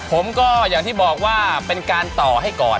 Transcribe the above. ผมก็อย่างที่บอกว่าเป็นการต่อให้ก่อน